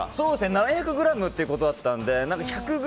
７００ｇってことだったので１００ｇ